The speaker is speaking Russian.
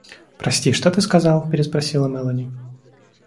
— Прости, что ты сказал? — переспросила Мелони.